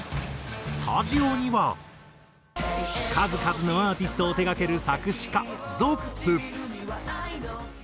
スタジオには数々のアーティストを手がける作詞家ｚｏｐｐ。